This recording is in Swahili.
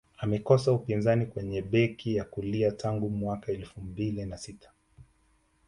amekosa upinzani kwenye beki ya kulia tangu mwaka elfu mbili na sita